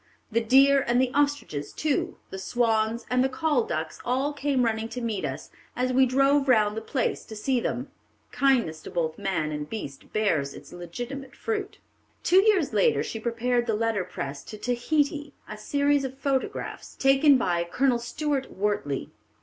The deer and the ostriches too, the swans and the call ducks, all came running to meet us, as we drove round the place to see them." Kindness to both man and beast bears its legitimate fruit. Two years later she prepared the letter press to Tahiti: a Series of Photographs, taken by Colonel Stuart Wortley.